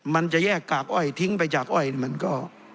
มันจะแยกกากอ้อยทิ้งไปจากอ้อยมันก็